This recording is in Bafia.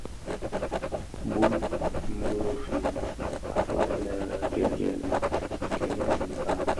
Bë mumfin akpaň lè dhi gènè kè dhikpag.